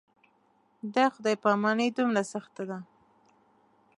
دا خدای پاماني دومره سخته ده.